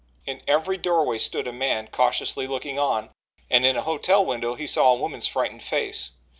In every doorway stood a man cautiously looking on, and in a hotel window he saw a woman's frightened face.